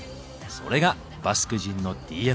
それがバスク人のＤＮＡ。